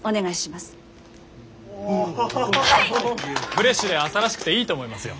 フレッシュで朝らしくていいと思いますよ。